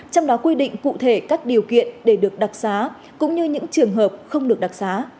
trong đó quy định cụ thể các điều kiện để được đặc xá cũng như những trường hợp không được đặc xá